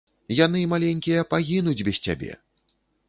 Яны, маленькія, пагінуць без цябе!